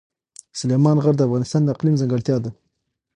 سلیمان غر د افغانستان د اقلیم ځانګړتیا ده.